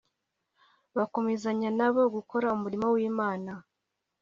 bagakomezanya na bo gukora umurimo w’Imana